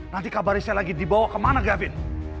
nanti kabar istri lagi dibawa kemana gavin